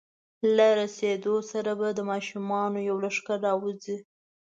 له رسېدو سره به د ماشومانو یو لښکر راوځي.